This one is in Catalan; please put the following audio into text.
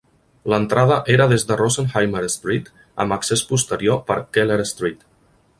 L'entrada era des de Rosenheimer Street, amb accés posterior per Keller Street.